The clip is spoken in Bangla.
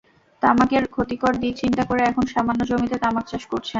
তামাকের ক্ষতিকর দিক চিন্তা করে এখন সামান্য জমিতে তামাক চাষ করছেন।